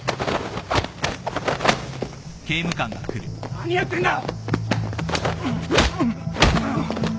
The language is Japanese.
何やってんだ！